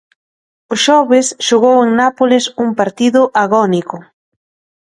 O xoves xogou en Nápoles un partido agónico.